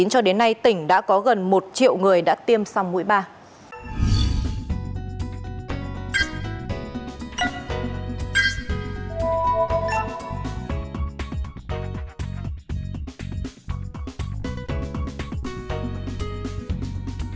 cho đến nay tỉnh đã có gần một triệu người đã tiêm xong mũi ba